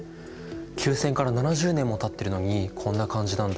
休戦から７０年もたってるのにこんな感じなんだ。